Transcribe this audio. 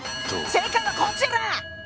正解はこちら！